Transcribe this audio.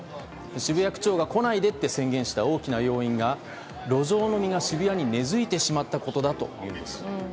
渋谷区長が来ないでと宣言した大きな要因が、路上飲みが渋谷に根づいてしまったことだというんです。